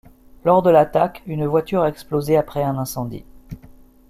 Lors de l'attaque, une voiture a explosé après un incendie.